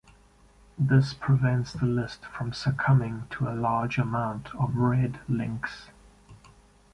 This prevents the list from succumbing to a large amount of "red links".